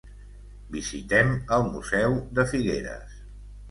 Visitem els museus de Figueres.